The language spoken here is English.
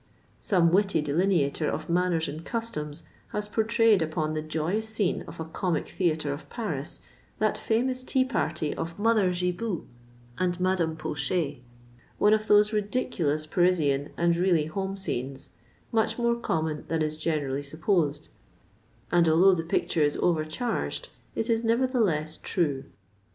Some witty delineator of manners and customs has pourtrayed upon the joyous scene of a comic theatre of Paris, that famous tea party of Mother Gibou and Madame Pochet, one of those ridiculous Parisian and really home scenes, much more common than is generally supposed, and although the picture is over charged, it is nevertheless true.